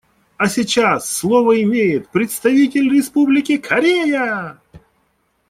А сейчас слово имеет представитель Республики Корея.